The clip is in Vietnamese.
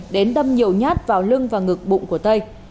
đến đâm nhiều nhát vào lưng và ngực bụng của tây